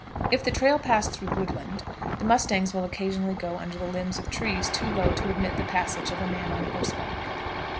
If the trail pass through woodland, the mustangs will occasionally go under the limbs of trees too low to admit the passage of a man on horseback.